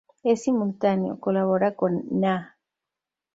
En simultáneo, colabora con Nah!